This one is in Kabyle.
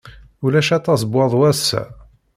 Ulac aṭas n waḍu ass-a.